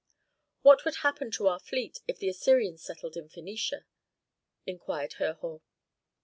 "What would happen to our fleet, if the Assyrians settled in Phœnicia?" inquired Herhor.